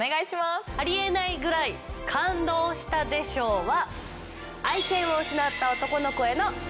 ありえないくらい感動したで賞は。